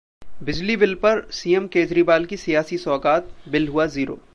'बिजली बिल' पर सीएम केजरीवाल की सियासी सौगात, बिल हुआ Zero